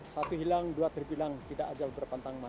satu hilang dua terbilang tidak ajal berpantang